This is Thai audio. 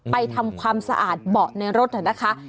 ทำความสะอาดเบาะในรถนะคะ